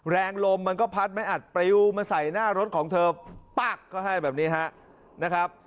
แรงลมมันก็พัดไม่อัดปริวมาใส่หน้ารถของเธอปั๊กเขาให้แบบนี้ฮะนะครับ